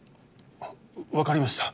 分かりました。